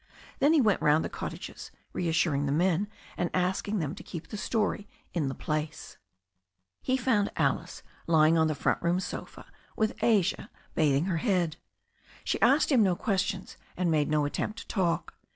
Then he went round the cottages, reassuring the men, and asking them to keep the story in the place. THE STORY OF A NEW ZEALAND RIVER 191 He found Alice lying on the front room sofa, with Asia bathing her head. She asked him no questions, and made no attempt to talk.